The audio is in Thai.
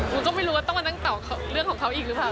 หนูก็ไม่รู้ว่าต้องมานั่งตอบเรื่องของเขาอีกหรือเปล่า